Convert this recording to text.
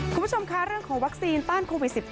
คุณผู้ชมคะเรื่องของวัคซีนต้านโควิด๑๙